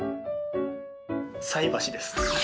菜箸です。